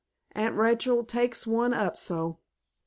"Aunt Rachel takes one up so."